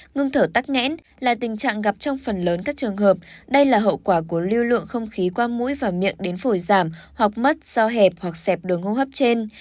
ngưng thở tắc nghẽn là tình trạng gặp trong phần lớn các trường hợp đây là hậu quả của lưu lượng không khí qua mũi và miệng đến phổi giảm hoặc mất do hẹp hoặc sẹp đường hô hấp trên